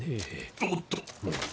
おっと。